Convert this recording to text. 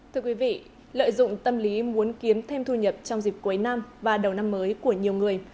thưa quý vị lợi dụng tâm lý muốn kiếm thêm thu nhập trong dịp cuối năm và đầu năm mới của nhiều người